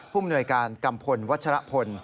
ภูมิหน่วยการกำพลวัชฎพล